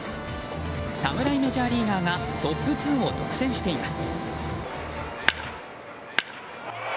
侍メジャーリーガーがトップ２を独占しています。